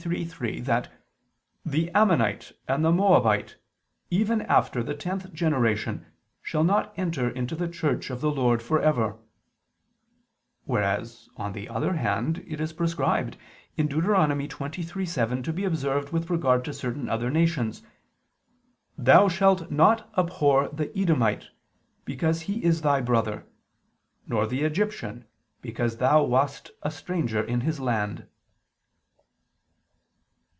23:3) that "the Ammonite and the Moabite, even after the tenth generation, shall not enter into the church of the Lord for ever": whereas, on the other hand, it is prescribed (Deut. 23:7) to be observed with regard to certain other nations: "Thou shalt not abhor the Edomite, because he is thy brother; nor the Egyptian because thou wast a stranger in his land."